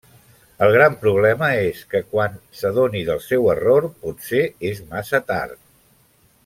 El gran problema és que, quan s'adoni del seu error, potser és massa tard.